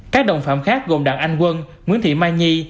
các đồng phạm khác gồm đảng anh quân nguyễn thị mai nhi